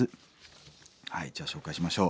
じゃあ紹介しましょう。